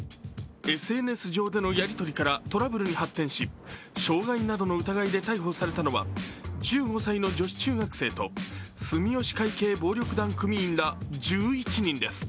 ＳＮＳ上でのやりとりからトラブルに発展し傷害などの疑いで逮捕されたのは１５歳の女子中学生と住吉会系暴力団組員ら１１人です。